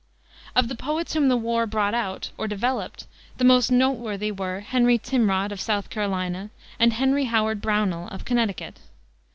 Of the poets whom the war brought out, or developed, the most noteworthy were Henry Timrod, of South Carolina, and Henry Howard Brownell, of Connecticut.